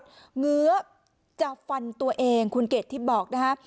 เหงือจับฟันตัวเองคุณเกศที่บอกนะคะ